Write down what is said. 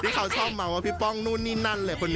พี่เขาชอบหมัวว่าพี่ป้องนู้นนี่นั่นเลย